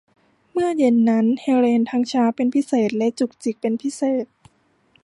เมื่อเย็นนั้นเฮเลนทั้งช้าเป็นพิเศษและจุกจิกเป็นพิเศษ